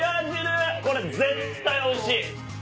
これ絶対おいしい！